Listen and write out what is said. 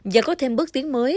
và có thêm bước tiến mới